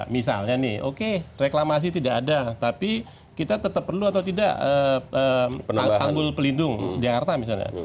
misalnya nih oke reklamasi tidak ada tapi kita tetap perlu atau tidak tanggul pelindung di jakarta misalnya